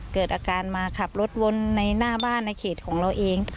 เกิดอาการมาขับรถวนในหน้าบ้านในเขตของเราเอง